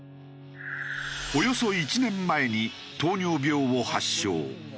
およそ１年前に糖尿病を発症。